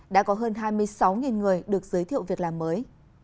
đã có hơn hai mươi sáu người được giới thiệu việc làm mới